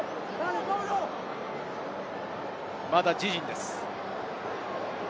まだ自陣です。